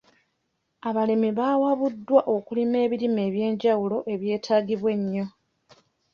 Abalimi bawabuddwa okulima ebirime eby'enjawulo ebyetaagibwa ennyo.